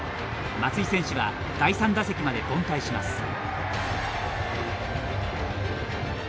松井選手は第３打席まで凡退します。